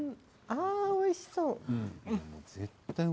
おいしそう。